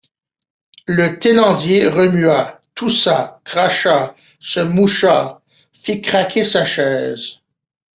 Le Thénardier remua, toussa, cracha, se moucha, fit craquer sa chaise.